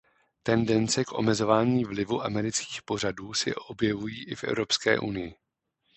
Tendence k omezování vlivu amerických pořadů se objevují i v Evropské unii.